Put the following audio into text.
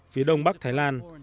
phía đông bắc thái lan